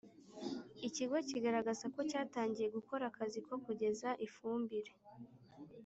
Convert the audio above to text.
Ikigo kigaragaza ko cyatangiye gukora akazi ko kugeza ifumbire